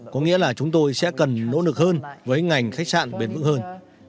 có nghĩa là chúng tôi sẽ cần nỗ lực hơn với ngành khách sạn bền vững hơn